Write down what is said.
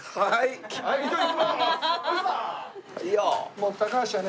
もう高橋はね